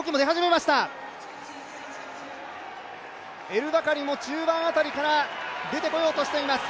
エル・バカリも中盤辺りから出てこようとしています。